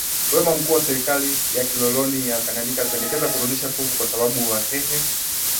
wema Mkuu wa serikali ya kikoloni ya Tanganyika alipendekeza kurudisha fuvu kwa sababu Wahehe